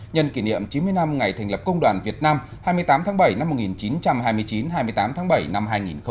nhân kỷ niệm chín mươi năm ngày thành lập công đoàn việt nam hai mươi tám tháng bảy năm một nghìn chín trăm hai mươi chín hai mươi tám tháng bảy năm hai nghìn một mươi chín